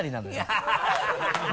ハハハ